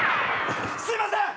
すいません！